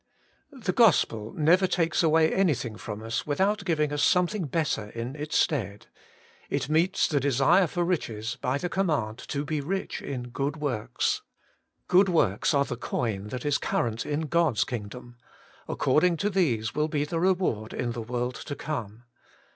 The gospel never takes away anything from us without giving us something better in its stead. It meets the desire for riches by the command to be rich in good works. Good works are the coin that is current in God's kingdom : according to these will be the reward in the world to come.